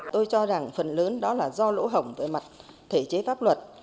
tôi cho rằng phần lớn đó là do lỗ hỏng về mặt thể chế pháp luật